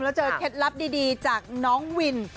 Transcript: แล้วเจอเคล็ดลับดีจากน้องวิน